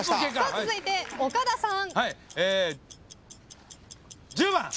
続いて岡田さん。